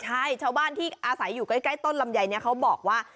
ใช่ชาวบ้านที่อาศัยอยู่ใกล้ต้นลำไยเนี่ยเขาบอกว่า